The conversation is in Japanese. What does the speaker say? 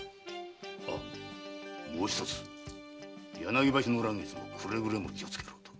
あもう一つ柳橋の「らん月」もくれぐれも気をつけろと。